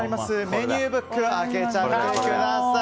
メニューブックを開けちゃってください。